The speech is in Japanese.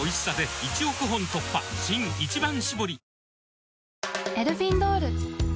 新「一番搾り」